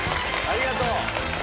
ありがとう！